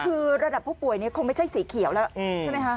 คือระดับผู้ป่วยคงไม่ใช่สีเขียวแล้วใช่ไหมคะ